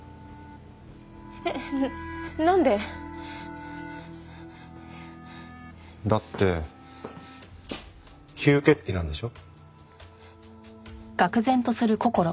えっなんで？だって吸血鬼なんでしょ？